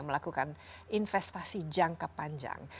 melakukan investasi jangka panjang